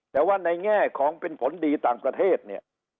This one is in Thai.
แต่ว่าในแง่ของเป็นผลดีต่างประเทศเนี่ย